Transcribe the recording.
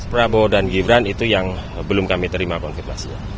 prabowo dan gibran itu yang belum kami terima konfirmasinya